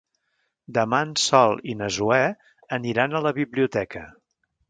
Demà en Sol i na Zoè aniran a la biblioteca.